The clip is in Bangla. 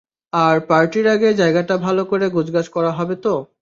আর, পার্টির আগে জায়গাটা ভালো করে গোছগাছ করা হবে তো?